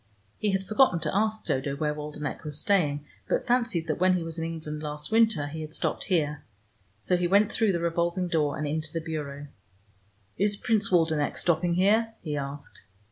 He had forgotten to ask Dodo where Waldenech was staying, but fancied that when he was in England last winter, he had stopped here. So he went through the revolving door, and into the Bureau. "Is Prince Waldenech stopping here?" he asked.